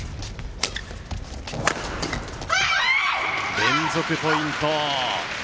連続ポイント。